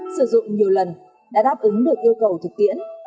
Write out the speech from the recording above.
sử dụng nhiều lần đã đáp ứng được yêu cầu thực tiễn